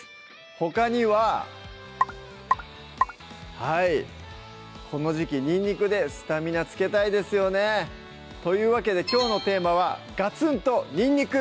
ほかにははいこの時季にんにくでスタミナつけたいですよねというわけできょうのテーマは「ガツンとにんにく！」